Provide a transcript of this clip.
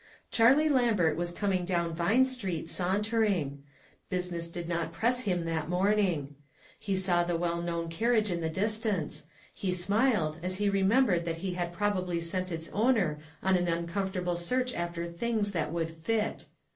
Charlie Lambert was coming down Vine Street, sauntering ; business did not press him that morning. He saw the well known carriage in the distance ; he smiled as he remembered that he had probably sent its owner on an uncomfortable search after things that would "fit."